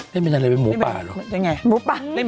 เล่นเป็นอะไรเรื่องหมูปลาหรือ